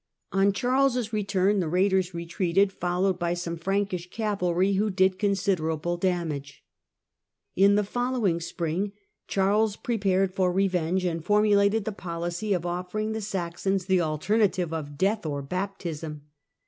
On Charles' return the raiders retreated, followed by some Frankish cavalry who did considerable damage. 774 775 In the following spring Charles prepared for revenge, and formulated the policy of offering the Saxons the alternative of death or baptism.